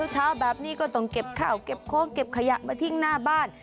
เช้าแบบนี้ก็ต้องเก็บข้าวเก็บโค้งเก็บขยะมาทิ้งหน้าบ้าน